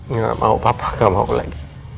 nggak mau papa gak mau lagi